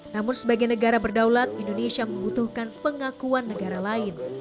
namun sebagai negara berdaulat indonesia membutuhkan pengakuan negara lain